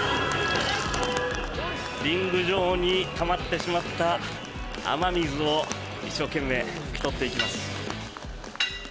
リング上にたまってしまった雨水を一生懸命拭き取っていきます。